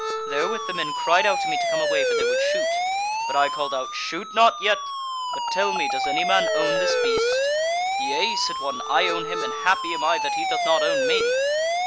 "Therewith the men cried out to me to come away, for they would shoot: But I called out; 'Shoot not yet! but tell me, does any man own this beast?' 'Yea,' said one, 'I own him, and happy am I that he doth not own me.'